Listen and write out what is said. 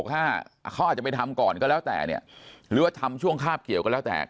เขาอาจจะไปทำก่อนก็แล้วแต่เนี่ยหรือว่าทำช่วงคาบเกี่ยวก็แล้วแต่